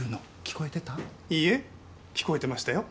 いいえ聞こえてましたよ。